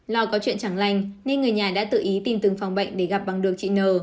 lo có chuyện chẳng lành nên người nhà đã tự ý tìm từng phòng bệnh để gặp bằng được chị nờ